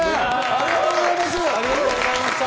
ありがとうございます。